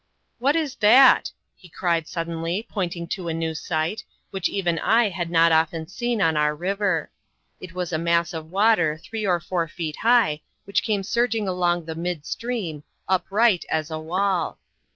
"What is that?" he cried, suddenly, pointing to a new sight, which even I had not often seen on our river. It was a mass of water, three or four feet high, which came surging along the midstream, upright as a wall.